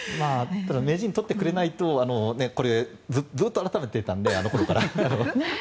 ただ名人を取ってくれないとずっと温めていたのであの頃から。